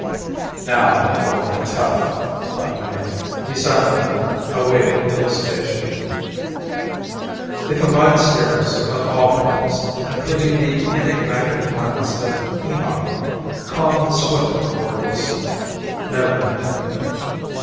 Now it will get tough, thought Mayne. He silently awaited elucidation. The combined stares of all parties, including the enigmatic glance of Eemakh, calmed the spluttering Voorhis. Melin continued.